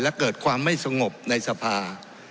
และเกิดความไม่สงบในสภา